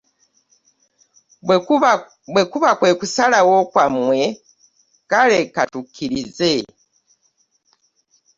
Bwe kuba kwe kusalawo kwammwe kale ka tukkirize.